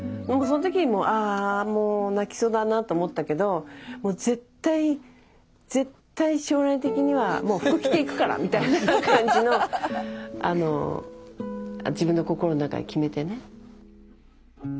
その時にもうああもう泣きそうだなと思ったけどもう絶対絶対将来的にはもう服着ていくからみたいな感じの自分の心の中に決めてね。